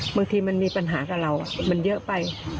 บางทีมันมีปัญหากับเรามันเยอะไป